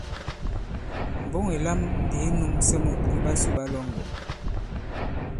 Mboŋ ì lam ndī i nūmsɛ mût iɓasū ɓa Lɔ̌ŋgòn.